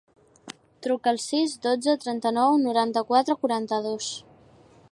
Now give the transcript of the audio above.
Truca al sis, dotze, trenta-nou, noranta-quatre, quaranta-dos.